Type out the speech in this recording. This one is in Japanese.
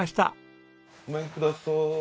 ごめんください。